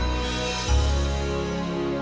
iya ya sudah sih gak apa apa